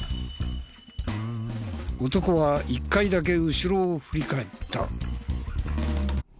男は１回だけ後ろを振り返った。